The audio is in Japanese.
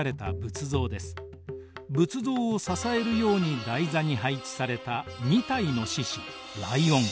仏像を支えるように台座に配置された２体の獅子ライオン。